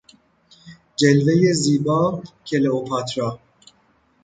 جلوهی زیبا کلئوپاترا